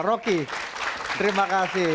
rocky terima kasih